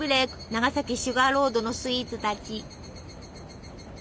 長崎シュガーロードのスイーツたち。